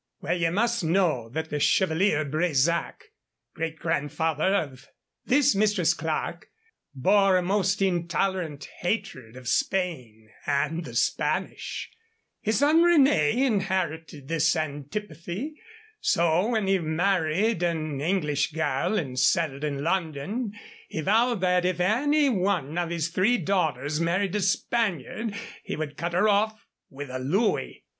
Well, ye must know that the Chevalier Bresac, great grandfather of this Mistress Clerke, bore a most intolerant hatred of Spain and the Spanish. His son René inherited this antipathy. So when he married an English girl and settled in London, he vowed that if any one of his three daughters married a Spaniard he would cut her off with a louis."